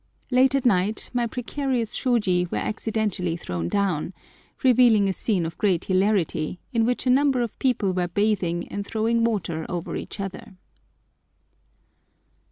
Late at night my precarious shôji were accidentally thrown down, revealing a scene of great hilarity, in which a number of people were bathing and throwing water over each other.